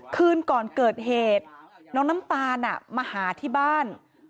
คืนก่อนเกิดเหตุน้องน้ำตาลมาหาที่บ้าน